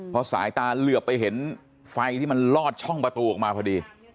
พอสายตาเหลือไปเห็นไฟที่มันลอดช่องประตูออกมาพอดี